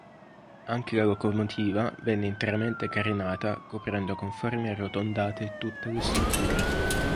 Anche la locomotiva venne interamente carenata coprendo con forme arrotondate tutte le strutture.